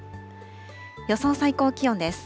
予想最高気温です。